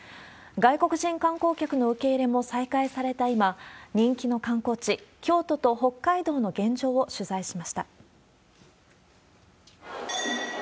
外国人観光客の受け入れも再開された今、人気の観光地、京都と北海道の現状を取材しました。